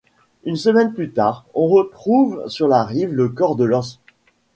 Une semaine plus tard, on retrouve sur la rive le corps de Lohs.